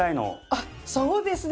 あっそうですね！